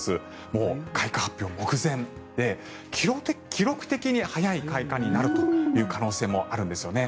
もう開花発表目前で記録的に早い開花になるという可能性もあるんですね。